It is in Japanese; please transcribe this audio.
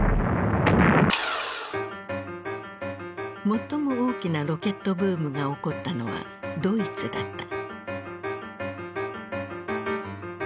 最も大きなロケットブームが起こったのはドイツだった。